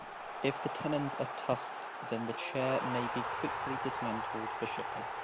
If the tenons are tusked then the chair may be quickly "dismantled" for shipping.